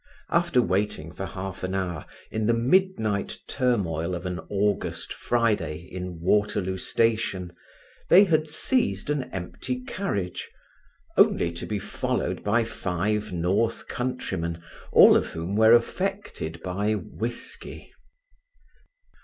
After waiting for half an hour in the midnight turmoil of an August Friday in Waterloo station, they had seized an empty carriage, only to be followed by five north countrymen, all of whom were affected by whisky.